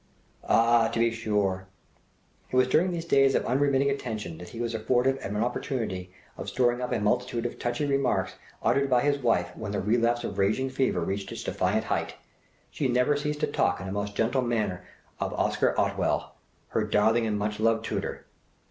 Ah! to be sure! It was during these days of unremitting attention that he was afforded an opportunity of storing up a multitude of touchy remarks uttered by his wife when the relapse of raging fever reached its defiant height! She never ceased to talk in a most gentle manner of "Oscar Otwell," "her darling and much loved tutor."